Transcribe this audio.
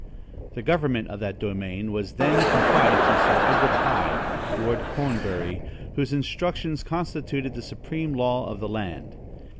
The government of that domain was then confided to Sir Edward Hyde (Lord Cornbury), whose instructions constituted the supreme law of the land.